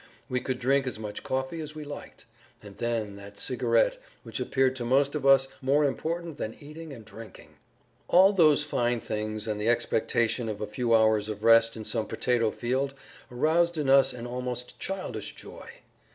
We could drink as much coffee as we liked. And then that cigarette, which appeared to most of us more important than eating and drinking! All those fine things and the expectation of a few hours of rest in some potato field aroused in us an almost childish joy.